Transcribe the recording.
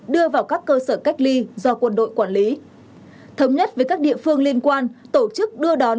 đưa vào các cơ sở cách ly do quân đội quản lý thống nhất với các địa phương liên quan tổ chức đưa đón